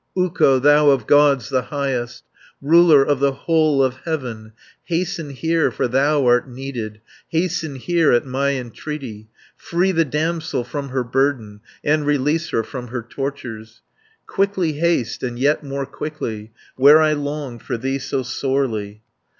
"Ukko, thou of Gods the highest, Ruler of the whole of heaven, 170 Hasten here, for thou art needed; Hasten here at my entreaty. Free the damsel from her burden, And release her from her tortures. Quickly haste, and yet more quickly, Where I long for thee so sorely."